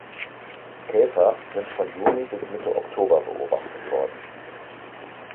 Käfer sind von Juni bis Mitte Oktober beobachtet worden.